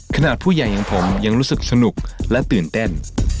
ขนาดผู้ใหญ่อย่างผมยังรู้สึกสนุกและตื่นเต้น